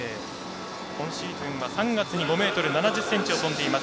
今シーズンは３月に５ｍ７０ｃｍを跳んでいます。